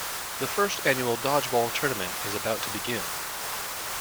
The First Annual Dodgeball Tournament is about to begin.